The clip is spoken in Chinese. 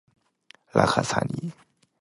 拉卡萨尼。